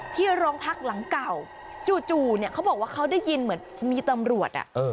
ที่โรงพักหลังเก่าจู่เนี่ยเขาบอกว่าเขาได้ยินเหมือนมีตำรวจ